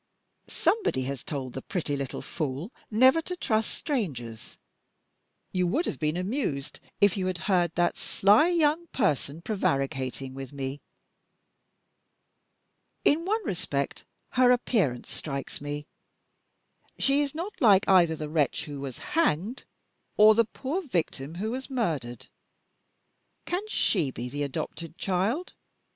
Somebody has told the pretty little fool never to trust strangers. You would have been amused, if you had heard that sly young person prevaricating with me. In one respect, her appearance strikes me. She is not like either the wretch who was hanged, or the poor victim who was murdered. Can she be the adopted child?